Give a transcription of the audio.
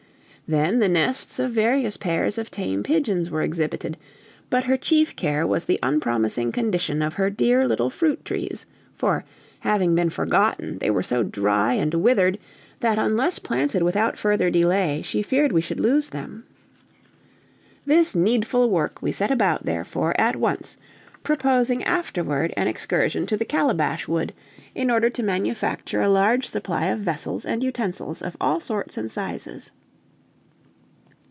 Then the nests of various pairs of tame pigeons were exhibited, but her chief care was the unpromising condition of her dear little fruit trees, for, having been forgotten, they were so dry and withered, that unless planted without further delay, she feared we should lose them. This needful work we set about, therefore, at once, proposing afterward an excursion to the Calabash Wood, in order to manufacture a large supply of vessels and utensils of all sorts and sizes.